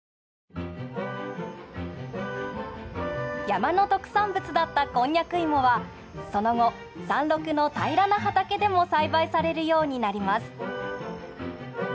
山の特産物だったこんにゃく芋はその後山麓の平らな畑でも栽培されるようになります。